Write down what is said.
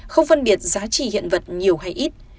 không phân biệt giá trị hiện vật nhiều hay ít